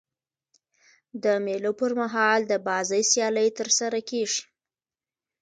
د مېلو پر مهال د بازۍ سیالۍ ترسره کیږي.